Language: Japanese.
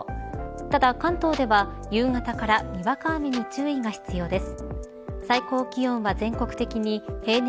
ただ関東では夕方からにわか雨に注意が必要です。